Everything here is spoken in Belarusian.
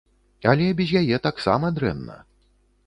Але без яе таксама дрэнна.